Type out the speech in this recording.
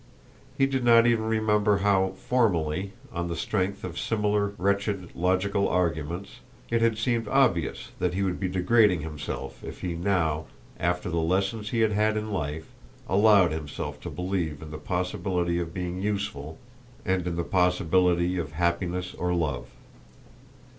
He did not even remember how formerly, on the strength of similar wretched logical arguments, it had seemed obvious that he would be degrading himself if he now, after the lessons he had had in life, allowed himself to believe in the possibility of being useful and in the possibility of happiness or love.